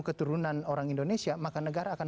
keturunan orang indonesia maka negara akan